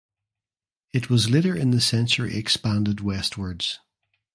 It was later in the century expanded westwards.